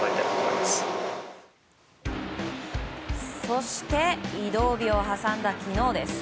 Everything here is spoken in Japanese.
そして移動日を挟んだ昨日です。